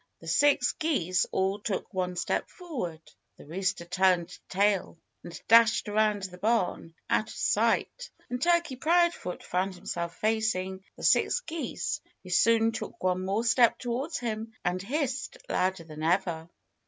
The six geese all took one step forward. The rooster turned tail and dashed around the barn, out of sight. And Turkey Proudfoot found himself facing the six geese, who soon took one more step towards him and hissed louder than ever.